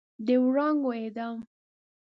د وړانګو اعدام